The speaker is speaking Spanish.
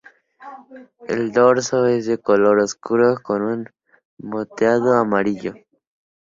El dorso es de color oscuro con un moteado amarillo.